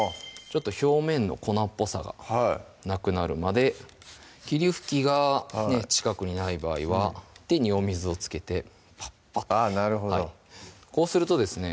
表面の粉っぽさがなくなるまで霧吹きが近くにない場合は手にお水を付けてぱっぱっとなるほどこうするとですね